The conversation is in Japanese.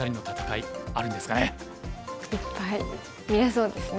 いっぱい見れそうですね。